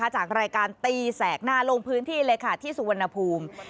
จากรายการตีแสกหน้าลงพื้นที่เลยค่ะที่สุวรรณภูมิ